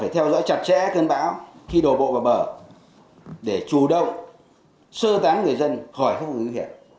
phải theo dõi chặt chẽ cơn bão khi đổ bộ vào bờ để chủ động sơ tán người dân khỏi các vùng nguy hiểm